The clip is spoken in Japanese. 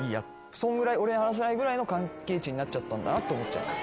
そんぐらい俺に話せないぐらいの関係値になっちゃったんだなと思っちゃいます。